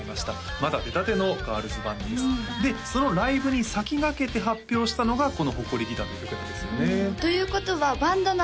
まだ出たてのガールズバンドですでそのライブに先駆けて発表したのがこの「埃ギター」という曲なんですよねということはバンドの始まりの１曲ってやつですね